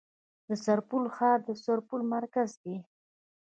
د سرپل ښار د سرپل مرکز دی